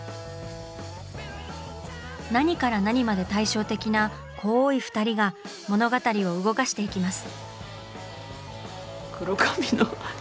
何から何まで対照的な濃い２人が物語を動かしていきます。